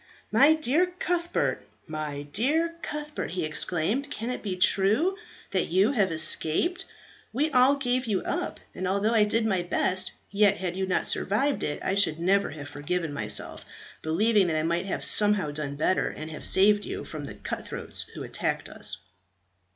"My dear Cuthbert, my dear Cuthbert!" he exclaimed. "Can it be true that you have escaped? We all gave you up; and although I did my best, yet had you not survived it I should never have forgiven myself, believing that I might have somehow done better, and have saved you from the cut throats who attacked us."